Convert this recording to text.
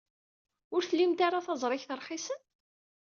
Ur tlimt ara taẓrigt rxisen?